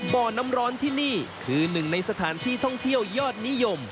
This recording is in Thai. บ่อน้ำร้อนที่นี่คือหนึ่งในสถานที่ท่องเที่ยวยอดนิยม